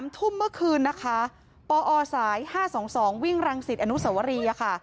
ทุ่มเมื่อคืนนะคะปอสาย๕๒๒วิ่งรังสิตอนุสวรีค่ะ